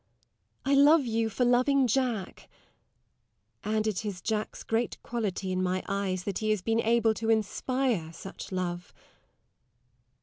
I love you for loving Jack; and it is Jack's great quality in my eyes that he has been able to inspire such love.